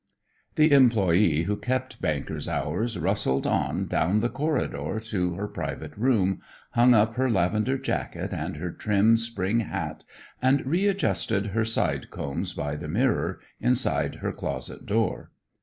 The employee who kept banker's hours rustled on down the corridor to her private room, hung up her lavender jacket and her trim spring hat, and readjusted her side combs by the mirror inside her closet door.